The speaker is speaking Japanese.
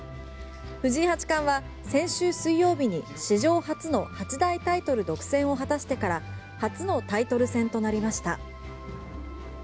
藤井八冠は先週水曜日に史上初の八大タイトル独占を果たしてから初のタイトル戦となりました。